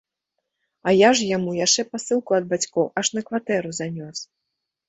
А я ж яму яшчэ пасылку ад бацькоў аж на кватэру занёс.